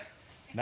何？